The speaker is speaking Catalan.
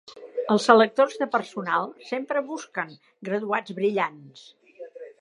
Els selectors de personal sempre busquen graduats brillants.